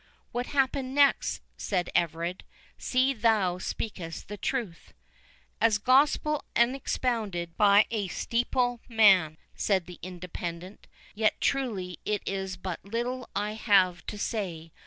"What happened next?" said Everard. "See that thou speakest the truth." "As gospel unexpounded by a steeple man," said the Independent; "yet truly it is but little I have to say.